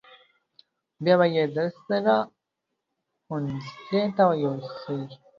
بیا به یې درسره ښوونځي ته یوسې.